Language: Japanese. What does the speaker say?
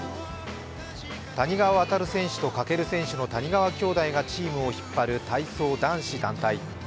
谷川航選手と翔選手の谷川兄弟がチームを引っ張る体操男子団体。